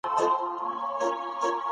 ګډ بورډونه علم ته وضاحت ورکوي.